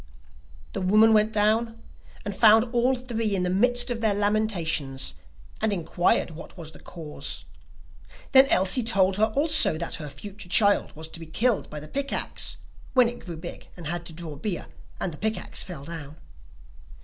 The woman went down, and found all three in the midst of their lamentations, and inquired what was the cause; then Elsie told her also that her future child was to be killed by the pick axe, when it grew big and had to draw beer, and the pick axe fell down.